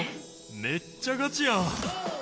めっちゃガチやん。